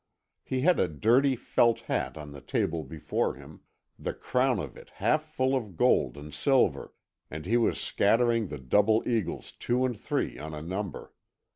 He had a dirty felt hat on the table before him, the crown of it half full of gold and silver, and he was scattering the double eagles two and three on a number.